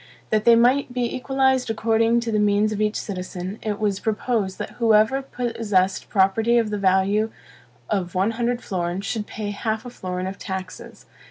That they might be equalized according to the means of each citizen, it was proposed that whoever possessed property of the value of one hundred florins should pay half a florin of taxes.